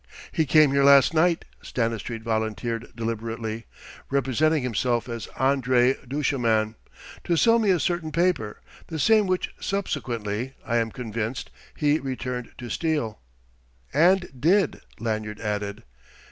"He came here last night," Stanistreet volunteered deliberately "representing himself as André Duchemin to sell me a certain paper, the same which subsequently, I am convinced, he returned to steal." "And did," Lanyard added.